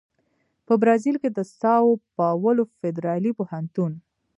په برازیل کې د ساو پاولو فدرالي پوهنتون